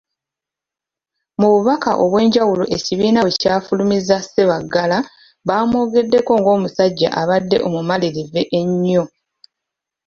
Mu bubaka obw'enjawulo ekibiina bwe kyafulumizza Sebaggala bamwogeddeko ng'omusajja abadde omumalirivu ennyo.